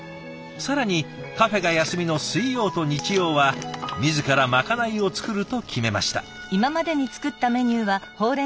更にカフェが休みの水曜と日曜は自らまかないを作ると決めました。